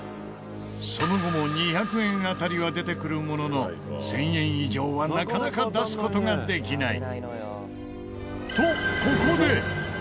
その後も２００円当たりは出てくるものの１０００円以上はなかなか出す事ができない。とここで。